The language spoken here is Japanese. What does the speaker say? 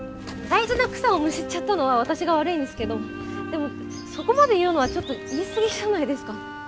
大事な草をむしっちゃったのは私が悪いんですけどでもそこまで言うのはちょっと言い過ぎじゃないですか。